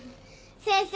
先生